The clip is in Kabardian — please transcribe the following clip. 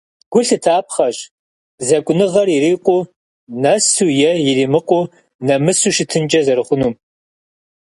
Гу лъытапхъэщ зэкӏуныгъэр ирикъуу нэсу е иримыкъуу, нэмысу щытынкӏэ зэрыхъунум.